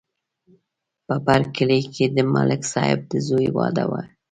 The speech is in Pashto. په بر کلي کې د ملک صاحب د زوی واده دی